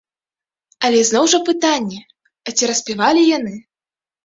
Але зноў жа пытанне, а ці распівалі яны?